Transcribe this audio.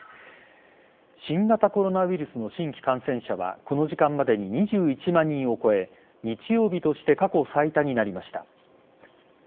新型コロナウイルスの新規感染者はこの時間までに２１万人を超え日曜日として過去最多になりました。